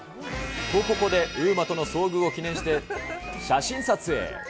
と、ここでＵＭＡとの遭遇を記念して写真撮影。